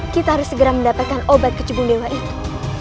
kita harus segera mendapatkan obat kecubung dewa itu